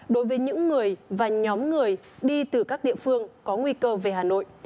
đối với những người và nhóm người đi từ các địa phương có nguy cơ về hà nội